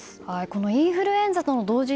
このインフルエンザとの同時